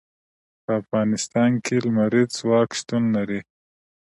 په افغانستان کې لمریز ځواک شتون لري.